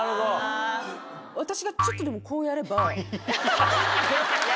私がちょっとでもこうやれば。